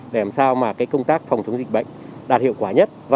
để làm sao mà công tác phòng chống dịch bệnh đạt hiệu quả nhất